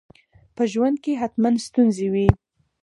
په ژوند کي حتماً ستونزي وي.